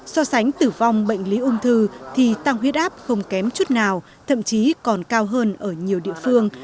so sánh tử vong bệnh lý ung thư thì tăng huyết áp không kém chút nào thậm chí còn cao hơn ở nhiều địa phương